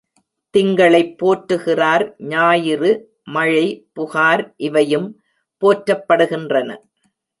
திங்களைப் போற்றுகிறார் ஞாயிறு, மழை, புகார் இவையும் போற்றப்படுகின்றன.